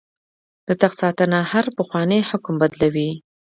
د تخت ساتنه هر پخوانی حکم بدلوي.